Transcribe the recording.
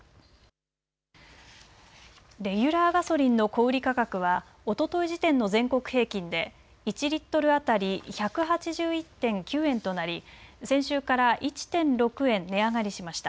レギュラーガソリンの小売り価格は、おととい時点の全国平均で１リットル当たり１８１．９円となり、先週から１．６円値上がりしました。